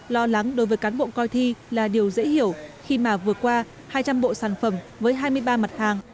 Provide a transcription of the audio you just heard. lo lắng đối với cán bộ coi thi là điều dễ hiểu khi mà vừa qua hai trăm linh bộ sản phẩm với hai mươi ba mặt hàng